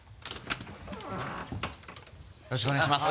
よろしくお願いします。